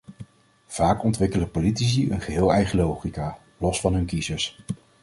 Vaak ontwikkelen politici een geheel eigen logica, los van hun kiezers.